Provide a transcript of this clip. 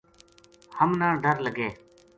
ہمنا ڈر لگے